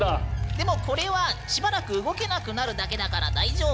でもこれはしばらく動けなくなるだけだから大丈夫。